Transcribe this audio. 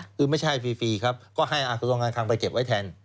คือไม่ใช่ฟรีครับก็ให้กระทรวงการคังไปเก็บไว้แทน